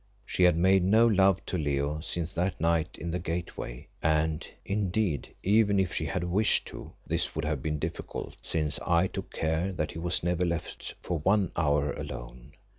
She had made no love to Leo since that night in the Gateway, and, indeed, even if she had wished to, this would have been difficult, since I took care that he was never left for one hour alone.